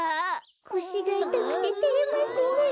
こしがいたくててれますねえ。